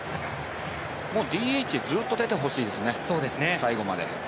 ＤＨずっと出てほしいですね、最後まで。